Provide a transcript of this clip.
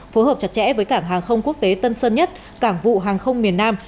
phối hợp chặt chẽ với cảng hàng không quốc tế tân sơn nhất cảng vụ hàng không miền nam